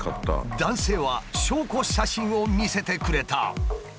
男性は証拠写真を見せてくれた。